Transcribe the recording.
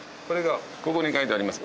ここに書いてあります